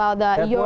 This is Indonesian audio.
itu bagus saya rasa